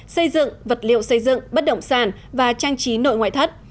xây dựng vật liệu xây dựng bất động sản và trang trí nội ngoại thất